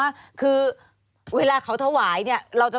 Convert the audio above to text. สนุนโดยหวานได้ทุกที่ที่มีพาเลส